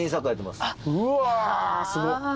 うわすごっ。